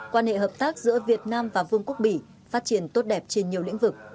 quan hệ hợp tác giữa việt nam và vương quốc bỉ phát triển tốt đẹp trên nhiều lĩnh vực